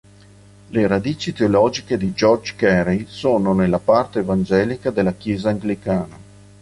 Le radici teologiche di George Carey sono nella parte evangelica della Chiesa anglicana.